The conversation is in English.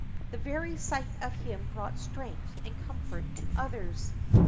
The very sight of him brought strength and comfort to others.